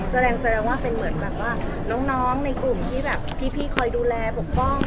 แสดงแสดงว่าเป็นเหมือนแบบว่าน้องในกลุ่มที่แบบพี่คอยดูแลปกป้อง